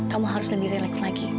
kamu harus lebih relax lagi